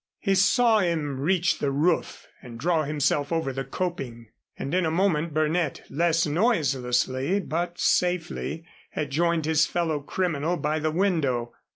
He saw him reach the roof and draw himself over the coping, and in a moment Burnett, less noiselessly but safely, had joined his fellow criminal by the window.